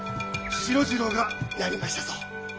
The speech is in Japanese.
四郎次郎がやりましたぞ。